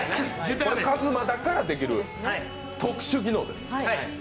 これ、ＫＡＺＭＡだからできる特殊技能です。